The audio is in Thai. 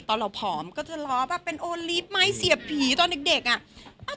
ตอนเราผอมก็จะล้อว่าเป็นโอลิฟท์ไม้เสียผีตอนเด็ก